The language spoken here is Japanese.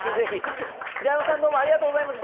平山さんどうもありがとうございました。